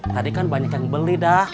tadi kan banyak yang beli dah